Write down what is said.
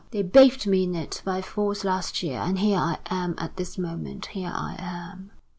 They bathed me in it by force last year. And here I am at this moment here I am!"